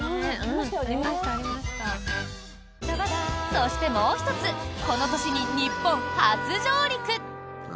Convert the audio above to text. そして、もう１つこの年に日本初上陸。